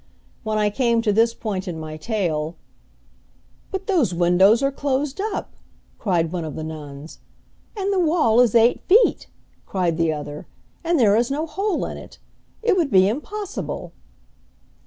When I came to this point in my tale, "But those windows are closed up!" cried one of the nuns. "And the wall is eight feet!" cried the other, "and there is no hole in it! It would be impossible!"